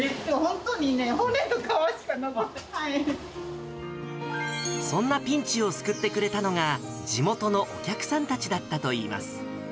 本当にね、そんなピンチを救ってくれたのが、地元のお客さんたちだったといいます。